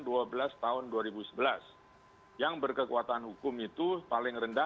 di tahun dua ribu dua belas tahun dua ribu sebelas yang berkekuatan hukum itu paling rendah